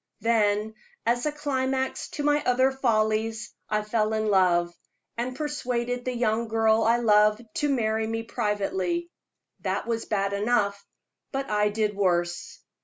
Then, as a climax to my other follies, I fell in love, and persuaded the young girl I loved to marry me privately. That was bad enough, but I did worse.